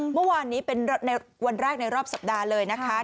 เมื่อวานนี้เป็นในวันแรกในรอบสัปดาห์เลยนะคะ